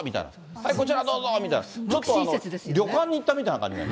はい、こちらどうぞみたいな、ちょっと旅館に行ったみたいな感じ。